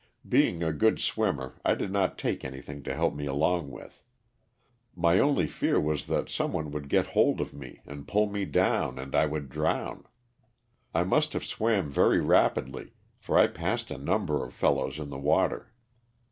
Being a good swimmer I did not take anything to help me along with. My only fear was that some one would get hold of me and pull me down and I would drown. I must have swam very rapidly for I passed a number of fellows in the water.